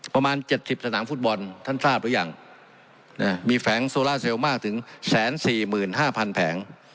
ประมาณ๗๐สนามฟุตบอลท่านทราบหรือยังมีแผงโซล่าเซลล์มากถึง๑๔๕๐๐แผง